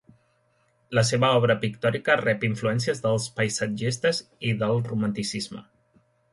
La seva obra pictòrica rep influències dels paisatgistes i del romanticisme.